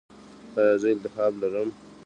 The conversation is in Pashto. ایا زه التهاب لرم؟